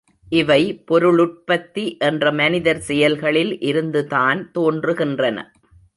இவை பொருளுற்பத்தி என்ற மனிதர் செயல்களில் இருந்துதான் தோன்றுகின்றன.